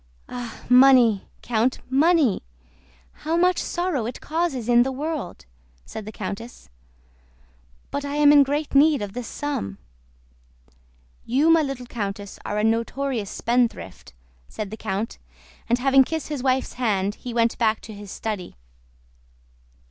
"Ah, money, Count, money! How much sorrow it causes in the world," said the countess. "But I am in great need of this sum." "You, my little countess, are a notorious spendthrift," said the count, and having kissed his wife's hand he went back to his study.